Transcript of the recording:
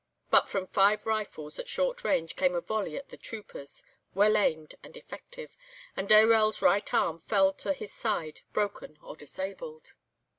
But from five rifles at short range came a volley at the troopers, well aimed and effective, and Dayrell's right arm fell to his side broken or disabled.